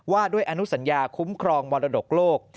ว่าด้วยอนุสัญญาคุ้มครองมรดกโลก